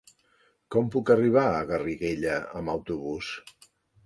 Com puc arribar a Garriguella amb autobús?